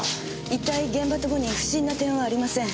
遺体現場共に不審な点はありません。